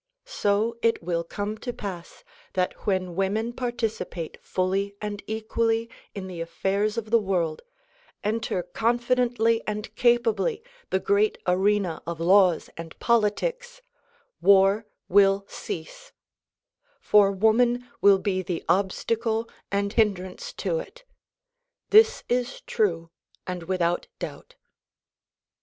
So it will come to pass that when women participate fully and equally in the affairs of the world, enter confidently and capably the great arena of laws and politics, war will cease ; for woman will be the obstacle and hindrance to it. This is true and without doubt.